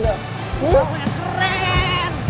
gue yang keren